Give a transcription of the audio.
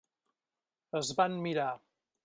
Es van mirar.